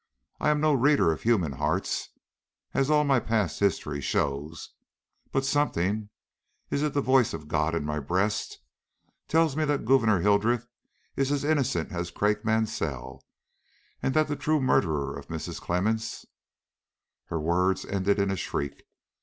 "I am no reader of human hearts, as all my past history shows, but something is it the voice of God in my breast? tells me that Gouverneur Hildreth is as innocent as Craik Mansell, and that the true murderer of Mrs. Clemmens " Her words ended in a shriek.